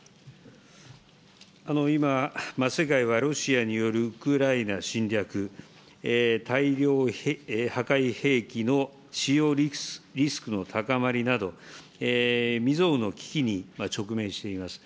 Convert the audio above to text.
今、世界はロシアによるウクライナ侵略、大量破壊兵器の使用リスクの高まりなど、未曽有の危機に直面しています。